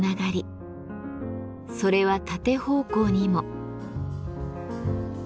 それは縦方向にも。